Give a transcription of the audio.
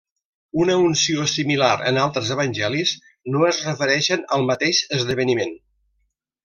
Una unció similar en altres evangelis no es refereixen al mateix esdeveniment.